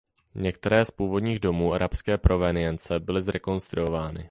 Některé z původních domů arabské provenience byly zrekonstruovány.